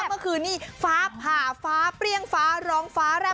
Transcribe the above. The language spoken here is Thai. ก็คือนี่ฟ้าผ่าฟ้าเปรี้ยงฟ้าร้องฟ้าแร็บ